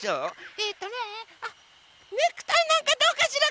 えっとねあっネクタイなんかどうかしら？